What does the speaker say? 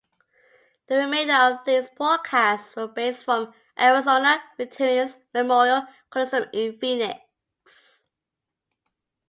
The remainder of these broadcasts were based from Arizona Veterans Memorial Coliseum in Phoenix.